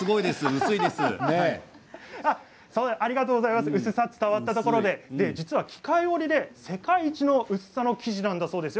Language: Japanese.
薄さが伝わったところで実は、機械織りで世界一の薄さの生地なんですよ。